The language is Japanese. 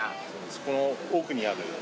そこの奥にある。